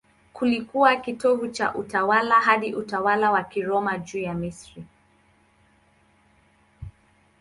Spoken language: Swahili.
Kilikuwa kitovu cha utawala hadi utawala wa Kiroma juu ya Misri.